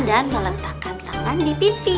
dan meletakkan tangan di pipi